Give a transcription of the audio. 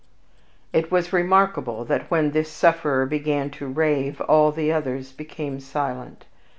It was remarkable, that when this sufferer began to rave, all the others became silent.